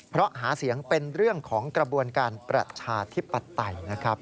เพราะหาเสียงเป็นเรื่องของกระบวนการประชาธิปไตยนะครับ